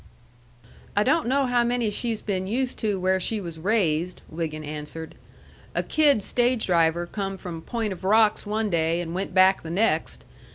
"I don't know how many she's been used to where she was raised," Wiggin answered. "A kid stage driver come from Point of Rocks one day and went back the next.